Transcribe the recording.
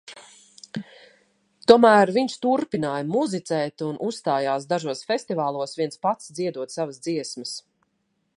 Tomēr viņš turpināja muzicēt un uzstājās dažos festivālos, viens pats dziedot savas dziesmas.